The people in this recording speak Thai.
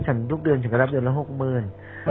ฉันลูกเดือนฉันก็รับเดือนละหกหมื่น